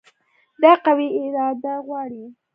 دا قوي اراده غواړي.